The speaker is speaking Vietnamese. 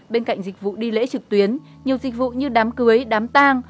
bên cạnh dịch vụ đi lễ trực tuyến nhiều dịch vụ như đám cưới đám tang